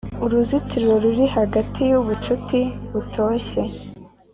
uruzitiro ruri hagati yubucuti butoshye.